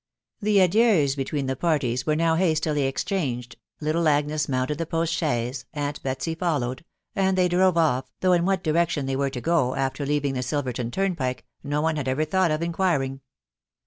The adieus between the parties were now hastily exchanged, little Agnes mounted the postchaise, aunt Betsy followed, and they drove off, though in what direction they were to go, after leaving the Silverton turnpike, no one had ever thought of in quiring.